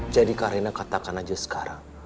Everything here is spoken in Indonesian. jadi kak reina katakan aja sekarang